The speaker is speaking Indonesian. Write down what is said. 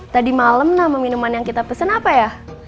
tadi malem nama minuman yang kita pesen apa ya